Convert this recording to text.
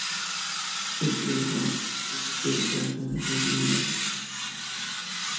মিরপুরের বাস কেন দেরিতে আসেন, এটা নিয়েই আমি অধিকাংশ সময় ভাবি।